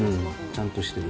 ちゃんとしてる。